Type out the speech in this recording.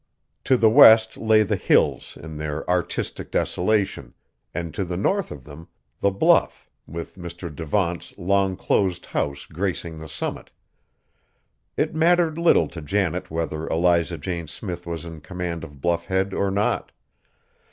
To the west lay the Hills in their "artistic desolation," and to the north of them The Bluff, with Mr. Devant's long closed house gracing the summit. It mattered little to Janet whether Eliza Jane Smith was in command of Bluff Head or not.